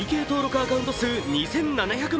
アカウント数２７００万